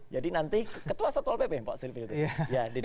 jadi nanti ketua satpol pp pak silvi